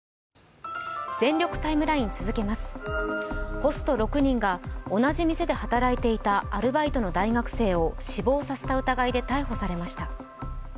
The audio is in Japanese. ホスト６人が同じ店で働いていた大学生を死亡させた疑いで逮捕されました。